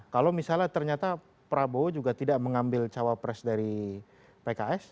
kalau misalnya ternyata prabowo juga tidak mengambil cawapres dari pks